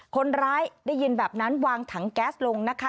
คนร้ายได้ยินแบบนั้นวางถังแก๊สลงนะคะ